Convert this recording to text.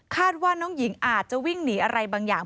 ว่าน้องหญิงอาจจะวิ่งหนีอะไรบางอย่าง